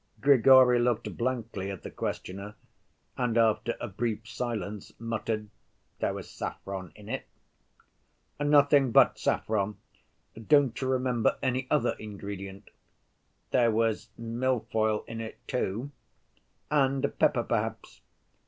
Grigory looked blankly at the questioner, and after a brief silence muttered, "There was saffron in it." "Nothing but saffron? Don't you remember any other ingredient?" "There was milfoil in it, too." "And pepper perhaps?"